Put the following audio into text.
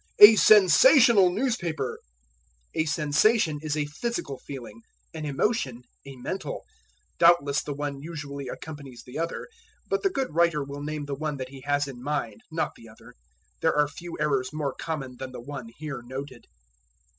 "A sensational newspaper." A sensation is a physical feeling; an emotion, a mental. Doubtless the one usually accompanies the other, but the good writer will name the one that he has in mind, not the other. There are few errors more common than the one here noted.